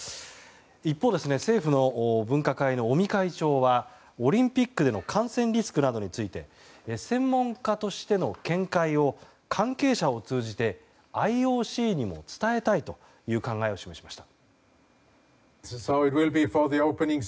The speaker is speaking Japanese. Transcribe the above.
一方、政府の分科会の尾身会長はオリンピックでの感染リスクなどについて専門家としての見解を関係者を通じてＩＯＣにも伝えたいという考えを示しました。